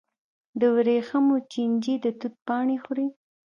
د ورېښمو چینجي د توت پاڼې خوري.